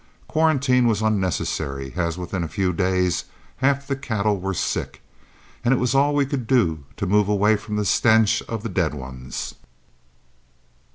Quarantine was unnecessary, as within a few days half the cattle were sick, and it was all we could do to move away from the stench of the dead ones.